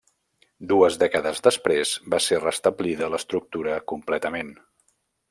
Dues dècades després va ser restablida l'estructura completament.